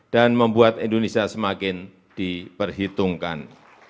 dan membuat indonesia semakin diperhitungkan